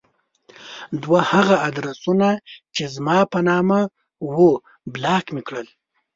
دوه هغه ادرسونه چې زما په نامه وو بلاک مې کړل.